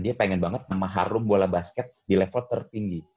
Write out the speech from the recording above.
dia pengen banget nama harum bola basket di level tertinggi